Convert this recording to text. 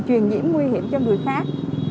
truyền nhiễm nguy hiểm cho người khác